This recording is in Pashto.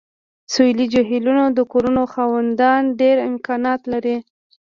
د سویلي جهیلونو د کورونو خاوندان ډیر امکانات لري